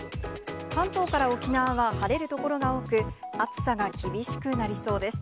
関東から沖縄は晴れる所が多く、暑さが厳しくなりそうです。